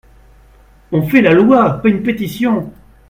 On fait la loi, pas une pétition